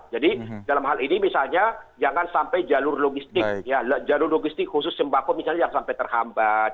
jadi dalam hal ini misalnya jangan sampai jalur logistik khusus sembako misalnya yang sampai terhambat